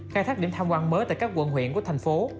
khai thác điểm tham quan mới tại các quận huyện của thành phố